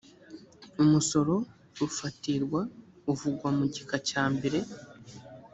umusoro ufatirwa uvugwa mu gika cya mbere .